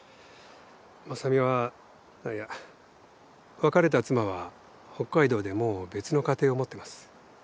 真佐美はいや別れた妻は北海道でもう別の家庭を持ってます。